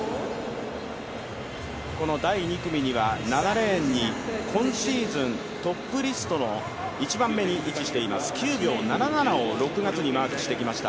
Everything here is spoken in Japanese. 第２組には７レーンに今シーズントップリストの１番目に位置しています、９秒７７を６月にマークしてきました